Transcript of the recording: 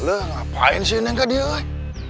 loh ngapain sih neng kak dia woy